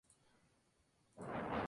Es la bisabuela de John Gielgud.